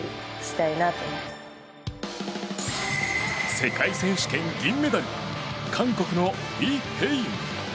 世界選手権銀メダル韓国のイ・ヘイン。